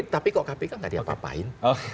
tapi kok kpk nggak diapa apain